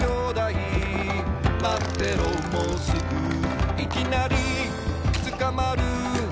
「まってろもうすぐ」「いきなりつかまる」